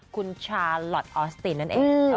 คุณชาลอทออสตินนั่นเอง